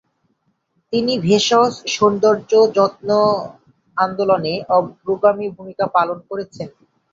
তিনি ভেষজ সৌন্দর্য যত্ন আন্দোলনে অগ্রগামী ভূমিকা পালন করেছেন।